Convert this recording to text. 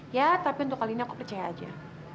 ya tapi untuk kali ini aku percaya aja